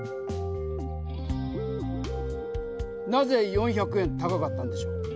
なぜ４００円高かったんでしょう？